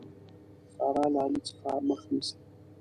سارا له علي څخه مخ نيسي.